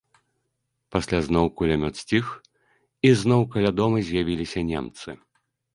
Пасля зноў кулямёт сціх, і зноў каля дома з'явіліся немцы.